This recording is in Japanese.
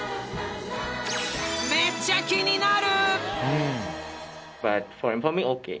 めっちゃ気になる！